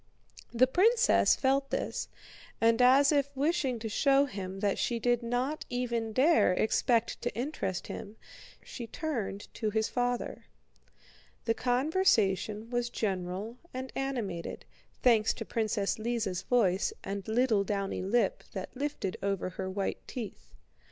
The princess felt this, and as if wishing to show him that she did not even dare expect to interest him, she turned to his father. The conversation was general and animated, thanks to Princess Lise's voice and little downy lip that lifted over her white teeth.